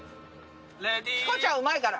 ヒコちゃんうまいから。